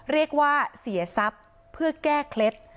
เรียกว่าเสียทรัพย์เพื่อแก้เคล็ด